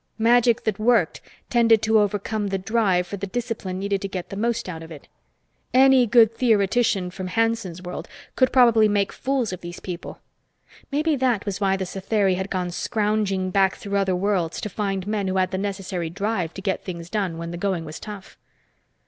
Magic that worked tended to overcome the drive for the discipline needed to get the most out of it. Any good theoretician from Hanson's world could probably make fools of these people. Maybe that was why the Satheri had gone scrounging back through other worlds to find men who had the necessary drive to get things done when the going was tough.